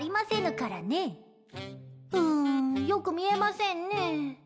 うーんよく見えませんねえ。